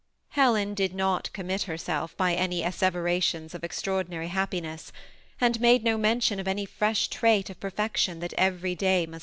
Helen did not commit herself by any asseverations of extraordinary happiness, and made no mention of any fresh trait of perfection that every day must